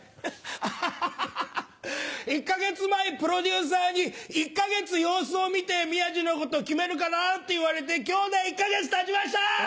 １か月前プロデューサーに「１か月様子を見て宮治のこと決めるかな」って言われて今日で１か月たちました！